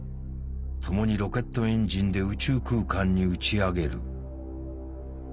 共にロケットエンジンで宇宙空間に打ち上げる。